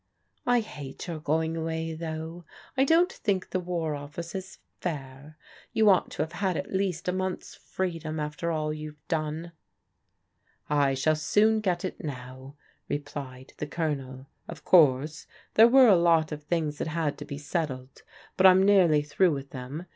" I hate your going away, though. I don't think the War Office is fair. You ought to have had at least a month's freedom after all you've done." " I shall soon get it now," replied the Colonel. " Of course, there were a lot of things that had to be settled, but I'm nearly through with them.